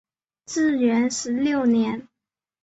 至元十六年。